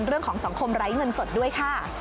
เรื่องของสังคมไร้เงินสดด้วยค่ะ